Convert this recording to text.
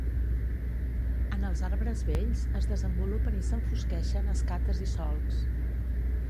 En els arbres vells es desenvolupen i s'enfosqueixen escates i solcs.